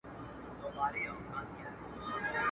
پاچاهان لویه گوله غواړي خپل ځان ته.